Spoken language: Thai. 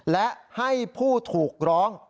และให้ผู้ถูกร้อง